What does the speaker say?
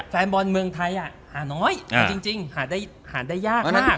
แฟนบอลเมืองไทยหาน้อยจริงหาได้ยากมาก